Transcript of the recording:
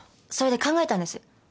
それで考えたんです。